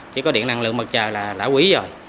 chỉ có điện năng lượng mật trời là quý rồi